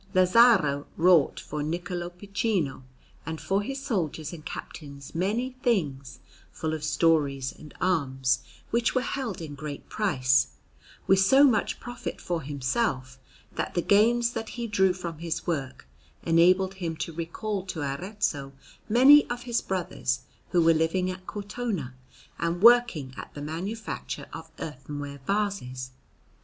Lazzaro wrought for Niccolò Piccino and for his soldiers and captains many things full of stories and arms, which were held in great price, with so much profit for himself, that the gains that he drew from this work enabled him to recall to Arezzo many of his brothers, who were living at Cortona and working at the manufacture of earthenware vases.